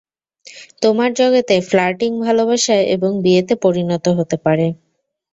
তোমার জগতে ফ্লার্টিং ভালোবাসা এবং বিয়েতে পরিণত হতে পারে।